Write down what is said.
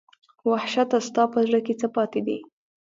وحشته ستا په زړه کې څـه پاتې دي